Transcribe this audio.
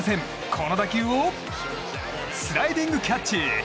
この打球をスライディングキャッチ！